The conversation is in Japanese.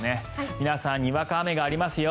皆さん、にわか雨がありますよね。